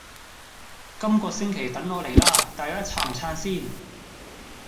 今個星期等我黎啦！大家撐唔撐先？